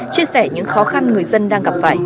chia sẻ những khó khăn người dân đang gặp phải